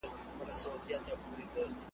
زه دي هم یمه ملګری ما هم بوزه .